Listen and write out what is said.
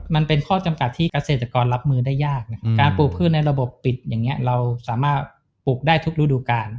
มันเป็นข้อจำกัดที่เกษตรกรรับมือได้ยากนะครับการปลูกพืชในระบบปิดอย่างนี้เราสามารถปลูกได้ทุกฤดูการ